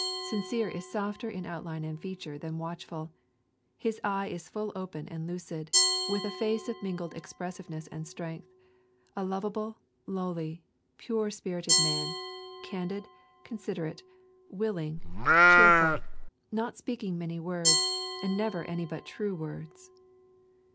'Sincere is softer in outline and feature than Watchful. His eye is full open and lucid, with a face of mingled expressiveness and strength a lovable, lowly, pure spirited man candid, considerate, willing, cheerful not speaking many words, and never any but true words.'